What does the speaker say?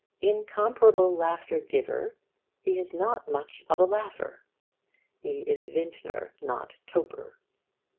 Incomparable laughter giver, he is not much a laugher. He is vintner, not toper.